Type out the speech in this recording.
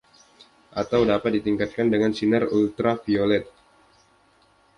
Atau, dapat ditingkatkan dengan sinar ultraviolet.